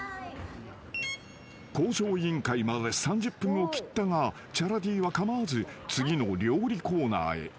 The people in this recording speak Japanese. ［『向上委員会』まで３０分を切ったがチャラＤは構わず次の料理コーナーへ］